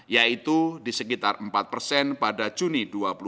yaitu di sekitar empat persen pada juni dua ribu dua puluh